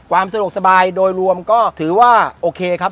ความสะดวกสบายโดยรวมก็ถือว่าโอเคครับ